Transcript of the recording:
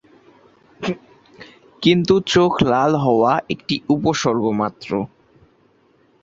কিন্তু চোখ লাল হওয়া একটি উপসর্গ মাত্র।